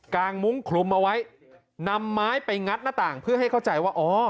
งมุ้งคลุมเอาไว้นำไม้ไปงัดหน้าต่างเพื่อให้เข้าใจว่าอ๋อ